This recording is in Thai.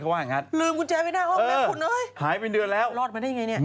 รืมกุญแจแล้วไปในห้องเนี่ยมั๊ยคุณเอ๊ะ